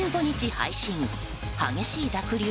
配信激しい濁流！